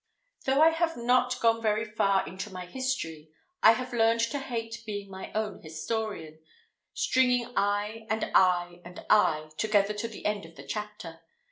Though I have not gone very far into my history, I have learned to hate being my own historian, stringing I, and I, and I, together to the end of the chapter.